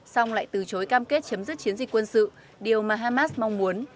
xong lại từ chối cam kết chấm dứt chiến dịch quân sự điều mà hamas mong muốn